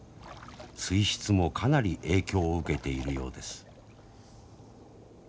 水質もかなり影響を受けているようです。